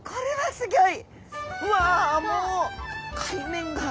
すギョい。